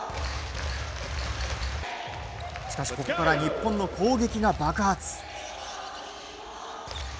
しかし、ここから日本の攻撃が爆発。